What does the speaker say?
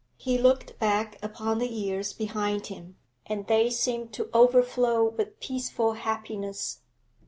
He looked back upon the years behind him, and they seemed to overflow with peaceful happiness.